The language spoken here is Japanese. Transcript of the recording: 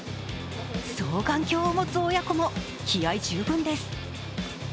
双眼鏡を持つ親子も気合い十分です。